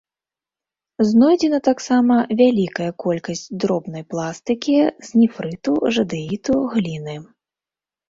Знойдзена таксама вялікая колькасць дробнай пластыкі з нефрыту, жадэіту, гліны.